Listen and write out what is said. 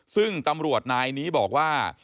ซึ่งตำรวจนายนี้บอกว่า